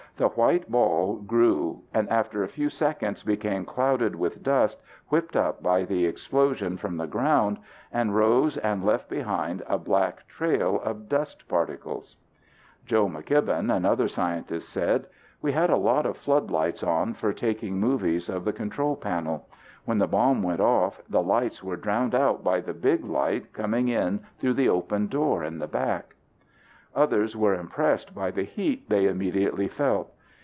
The white ball grew and after a few seconds became clouded with dust whipped up by the explosion from the ground and rose and left behind a black trail of dust particles." Joe McKibben, another scientist, said, "We had a lot of flood lights on for taking movies of the control panel. When the bomb went off, the lights were drowned out by the big light coming in through the open door in the back." Others were impressed by the heat they immediately felt.